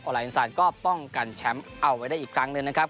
ลายอินซานก็ป้องกันแชมป์เอาไว้ได้อีกครั้งหนึ่งนะครับ